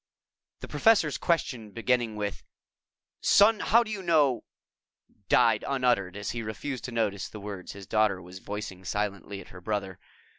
The Professor's question beginning with, "Son, how do you know " died unuttered and he refused to notice the words his daughter was voicing silently at her brother.